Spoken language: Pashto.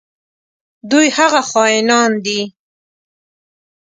دوی هغه خاینان دي.